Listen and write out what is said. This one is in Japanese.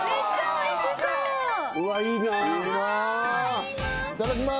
いただきます。